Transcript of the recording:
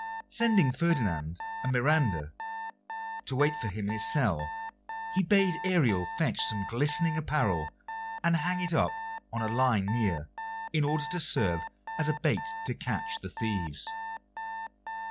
Sending Ferdinand and Miranda to wait for him in his cell, he bade Ariel fetch some glistening apparel, and hang it up on a line near, in order to serve as a bait to catch the thieves.